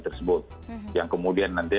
tersebut yang kemudian nanti